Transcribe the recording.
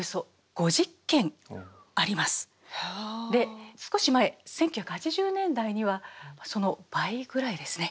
で少し前１９８０年代にはその倍ぐらいですね。